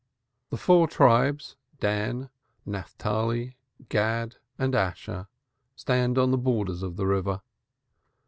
The four tribes, Dan, Naphtali, Gad and Asher, stand on the borders of the river.